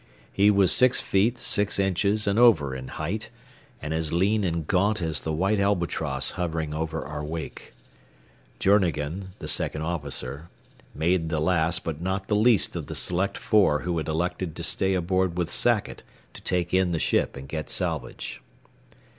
He was six feet six inches and over in height, and as lean and gaunt as the white albatross hovering over our wake. Journegan, the second officer, made the last but not least of the select four who had elected to stay aboard with Sackett to take in the ship and get salvage.